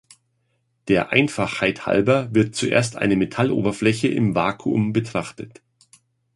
Der Einfachheit halber wird zuerst eine Metalloberfläche im Vakuum betrachtet.